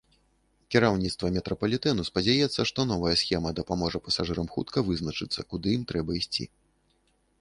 Кіраўніцтва метрапалітэну спадзяецца, што новая схема дапаможа пасажырам хутка вызначыцца, куды ім трэба ісці.